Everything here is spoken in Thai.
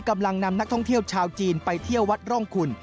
นำนักท่องเที่ยวชาวจีนไปเที่ยววัดร่องคุณ